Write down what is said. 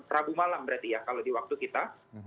rabu malam berarti ya kalau di waktu kita